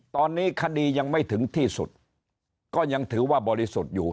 ตอนนี้คดียังไม่ถึงที่สุดก็ยังถือว่าบริสุทธิ์อยู่